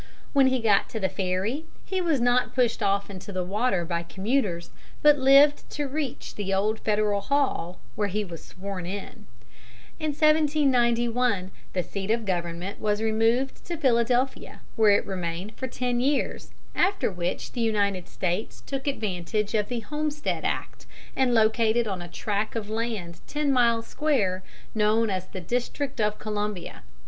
When he got to the ferry he was not pushed off into the water by commuters, but lived to reach the Old Federal Hall, where he was sworn in. In 1791 the seat of government was removed to Philadelphia, where it remained for ten years, after which the United States took advantage of the Homestead Act and located on a tract of land ten miles square, known as the District of Columbia.